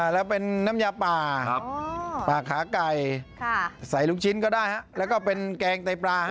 แล้วเป็นน้ำยาป่าขาไก่ใส่ลูกชิ้นก็ได้แล้วก็เป็นแกงไตปลา